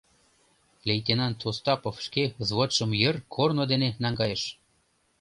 Лейтенант Остапов шке взводшым йыр корно дене наҥгайыш.